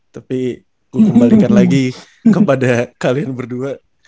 tapi gue kembalikan lagi kepada kalian berdua